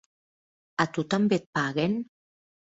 A tu també et paguen?